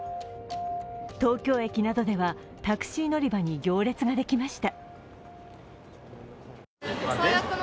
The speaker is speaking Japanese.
東京駅などではタクシー乗り場に行列ができました。